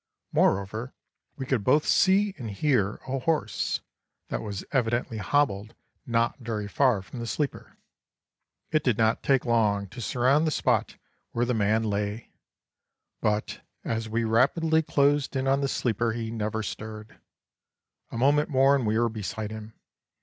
Moreover, we could both see and hear a horse, that was evidently hobbled not very far from the sleeper. It did not take long to surround the spot where the man lay; but, as we rapidly closed in on the sleeper, he never stirred. A moment more and we were beside him.